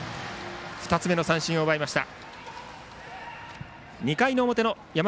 ２つ目の三振を奪いました。